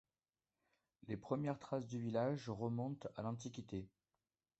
Les premières traces du village remontent à l'Antiquité.